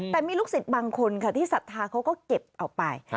แต่มีลูกศิษย์บางคนค่ะที่ศรัทธาเขาก็เก็บเอาไป